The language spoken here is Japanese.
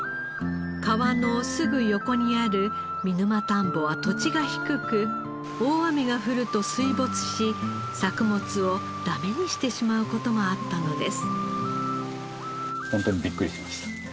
川のすぐ横にある見沼たんぼは土地が低く大雨が降ると水没し作物をダメにしてしまう事もあったのです。